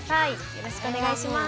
よろしくお願いします。